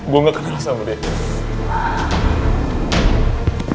gue gak kenal sama dia